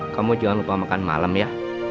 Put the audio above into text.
kamu jangan lupa makan malam ya